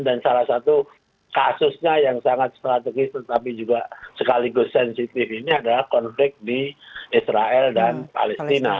dan salah satu kasusnya yang sangat strategis tetapi juga sekaligus sensitif ini adalah konflik di israel dan palestina